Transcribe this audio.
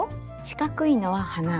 四角いのは花。